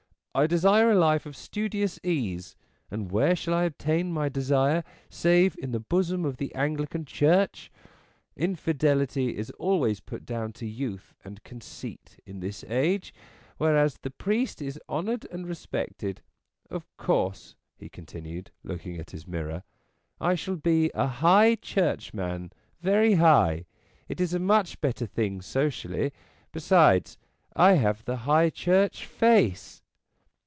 I desire a life of studious ease; and where shall I obtain my desire save in the bosom of the Anglican Church? Infidelity is always put down to youth and conceit in this age; whereas the priest is honoured and respected. Of course," he continued, looking at his mirror, " I shall be a high churchman, very high. It is a much better thing socially; besides, I have the High Church face."